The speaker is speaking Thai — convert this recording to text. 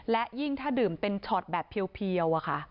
และยิ่งก็ถ้าดื่มเป็นช็อตแบบเพียว